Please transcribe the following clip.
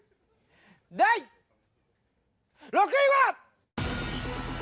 第６位は！